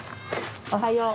おはよう。